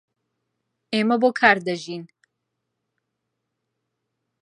ئێمە بۆ کار دەژین.